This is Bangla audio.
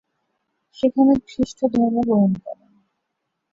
সেখানে খ্রিস্টধর্ম গ্রহণ করেন।